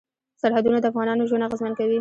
سرحدونه د افغانانو ژوند اغېزمن کوي.